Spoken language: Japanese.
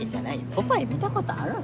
ポパイ見たことあるん？